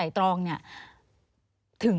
มีความรู้สึกว่ามีความรู้สึกว่า